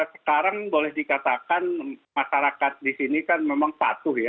sekarang boleh dikatakan masyarakat di sini kan memang patuh ya